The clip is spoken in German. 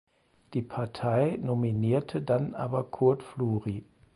Die Partei nominierte dann aber Kurt Fluri.